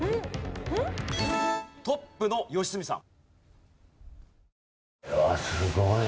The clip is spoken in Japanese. トップの良純さん。